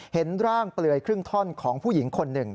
เห็นร่างเปลือยครึ่งท่อนของผู้หญิงคนหนึ่ง